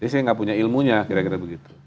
jadi saya gak punya ilmunya kira kira begitu